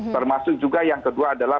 termasuk juga yang kedua adalah